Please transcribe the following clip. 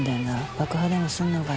爆破でもすんのかよ。